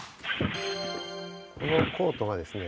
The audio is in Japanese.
このコートがですね